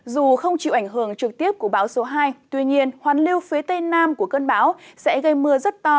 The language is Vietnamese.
dù không chịu ảnh hưởng trực tiếp của báo số hai tuy nhiên hoàn lưu phía tây nam của cơn bão sẽ gây mưa rất to